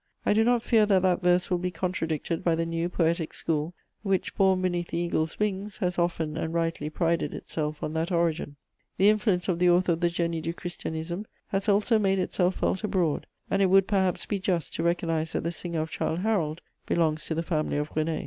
I do not fear that that verse will be contradicted by the new poetic school, which, born beneath the eagle's wings, has often and rightly prided itself on that origin. The influence of the author of the Génie du Christianisme has also made itself felt abroad, and it would perhaps be just to recognise that the singer of Childe Harold belongs to the family of _René.